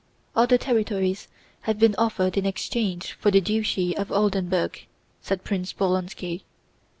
"Other territories have been offered in exchange for the Duchy of Oldenburg," said Prince Bolkónski.